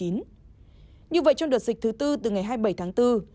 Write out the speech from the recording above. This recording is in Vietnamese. như vậy trong đợt dịch thứ tư từ ngày hai mươi bảy tháng bốn